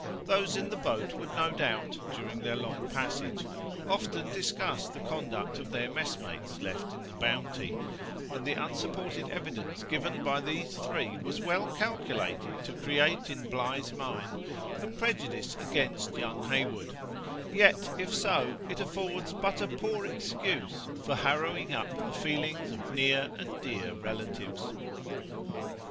Those in the boat would no doubt, during their long passage, often discuss the conduct of their messmates left in the Bounty, and the unsupported evidence given by these three was well calculated to create in Bligh's mind a prejudice against young Heywood; yet, if so, it affords but a poor excuse for harrowing up the feelings of near and dear relatives.